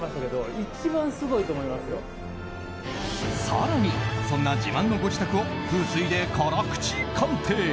更に、そんな自慢のご自宅を風水で辛口鑑定！